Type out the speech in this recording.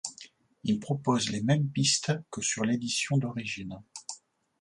Il propose les mêmes pistes que sur l'édition d'origine.